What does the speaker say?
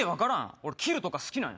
俺、切るとか好きなんや。